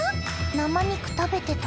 生肉食べてた？